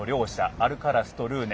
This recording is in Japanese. アルカラスとルーネ。